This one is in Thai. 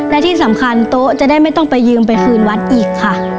และที่สำคัญโต๊ะจะได้ไม่ต้องไปยืมไปคืนวัดอีกค่ะ